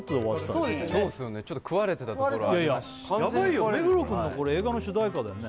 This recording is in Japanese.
ちょっと食われてたところありますし目黒くんの映画の主題歌だよね